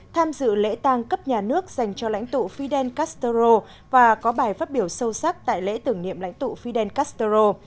tham dự lễ tang cấp nhà nước dành cho lãnh tụ fidel castro và có bài phát biểu sâu sắc tại lễ tưởng niệm lãnh tụ fidel castro